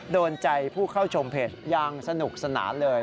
โดนใจผู้เข้าชมเพจอย่างสนุกสนานเลย